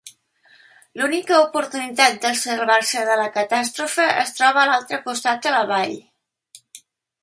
L'única oportunitat de salvar-se de la catàstrofe es troba a l'altre costat de la vall.